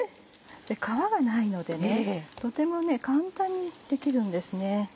皮がないのでとても簡単にできるんですね。